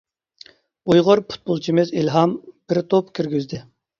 ئۇيغۇر پۇتبولچىمىز ئىلھام بىر توپ كىرگۈزدى.